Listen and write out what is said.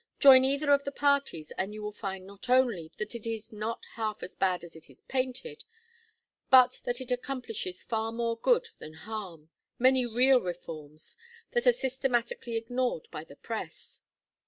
Join either of the parties, and you will find not only that it is not half as bad as it is painted, but that it accomplishes far more good than harm, many real reforms, that are systematically ignored by the press."